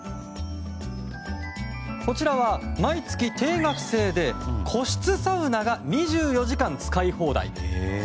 こちらは毎月定額制で個室サウナが２４時間使い放題。